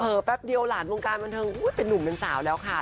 แป๊บเดียวหลานวงการบันเทิงเป็นนุ่มเป็นสาวแล้วค่ะ